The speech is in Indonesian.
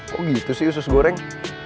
kok gitu sih usus goreng